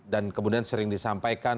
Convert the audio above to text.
dan kemudian sering disampaikan